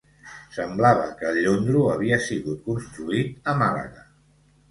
Semblava que el llondro havia sigut construït a Màlaga.